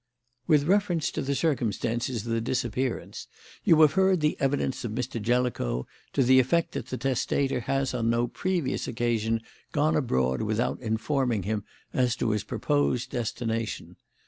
"With reference to the circumstances of the disappearance, you have heard the evidence of Mr. Jellicoe to the effect that the testator has on no previous occasion gone abroad without informing him as to his proposed destination.